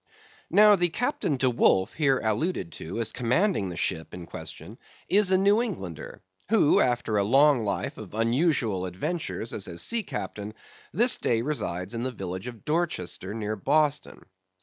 Now, the Captain D'Wolf here alluded to as commanding the ship in question, is a New Englander, who, after a long life of unusual adventures as a sea captain, this day resides in the village of Dorchester near Boston.